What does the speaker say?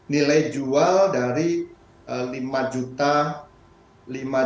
nilai jual dari lima juta